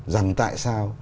rằng tại sao